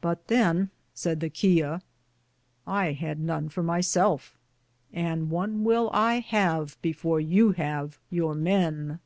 But than said the chial : I had none for my selfe, and one will I have before yow have your men.